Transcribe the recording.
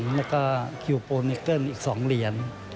แล้วก็คิวโปนิเกิ้ลอีก๒เหรียญ